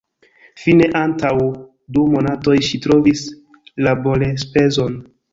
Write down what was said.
Fine antaŭ du monatoj ŝi trovis laborenspezon.